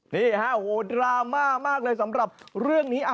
นี่ฮะโหดราม่ามากเลยสำหรับเรื่องนี้